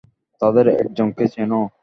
তাদের একজনকে চেনো।